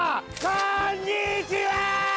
こんにちはー！